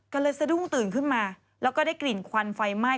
ก็เลยสะดุ้งตื่นขึ้นมาแล้วก็ได้กลิ่นควันไฟไหม้